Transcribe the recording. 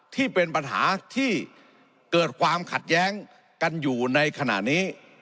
ที่เป็นปัญหาที่เกิดความขัดแย้งกันอยู่ในขณะนี้